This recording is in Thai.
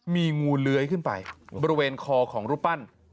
มีงูเลื้อยขึ้นไปบริเวณคอของรูปปั้น